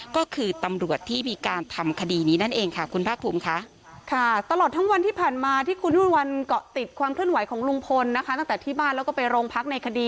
ความเคลื่อนไหวของรุงพลนะคะตั้งแต่ที่บ้านแล้วก็ไปโรงพักในคดี